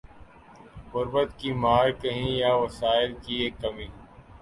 غربت کی مار کہیے یا وسائل کی کمی۔